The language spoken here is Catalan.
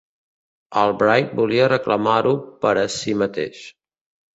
Albright volia reclamar-ho per a si mateix.